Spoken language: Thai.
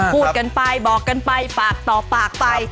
พูดกันไปบอกกันไปปากต่อปากไป